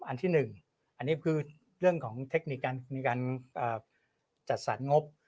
อันที่๑อันนี้คือเรื่องของเทคนิคมีการจัดสรรงบ